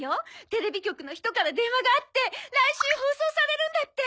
テレビ局の人から電話があって来週放送されるんだって！